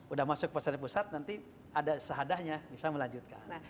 udah masuk pesantren pusat nanti ada sehadahnya bisa melanjutkan